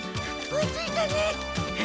追いついたね。